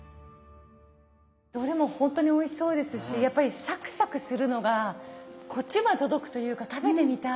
どれもほんとにおいしそうですしやっぱりサクサクするのがこっちまで届くというか食べてみたい。